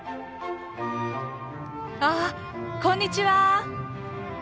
あこんにちは！